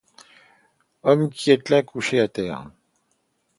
Homme qui êtes là couché à terre...